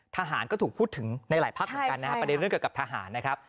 ทหารก็ถูกพูดถึงในหลายพักเหมือนกันนะครับประเด็นเรื่องเกี่ยวกับทหารนะครับ